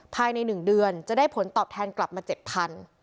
ภายใน๑เดือนจะได้ผลตอบแทนกลับมา๗๐๐บาท